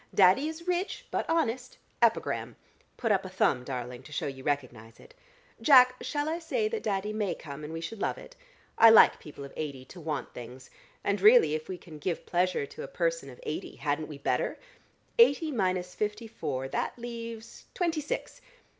Daddy is rich, but honest. Epigram. Put up a thumb, darling, to show you recognise it. Jack, shall I say that Daddy may come, and we should love it? I like people of eighty to want things. And really if we can give pleasure to a person of eighty hadn't we better? Eighty minus fifty four: that leaves twenty six.